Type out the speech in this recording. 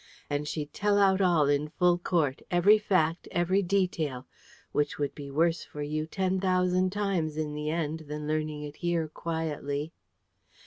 And she'd tell out all in full court every fact, every detail which would be worse for you ten thousand times in the end than learning it here quietly."